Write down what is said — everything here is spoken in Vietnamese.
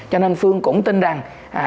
cho nên phương cũng tin rằng